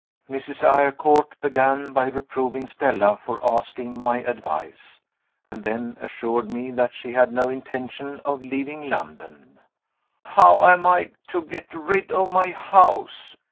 Mrs. Eyrecourt began by reproving Stella for asking my advice, and then assured me that she had no intention of leaving London. "How am I to get rid of my house?"